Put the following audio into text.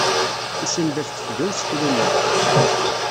Isenned ɣef tefga n useklu-nni.